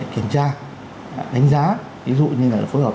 kiểm tra đánh giá ví dụ như là phối hợp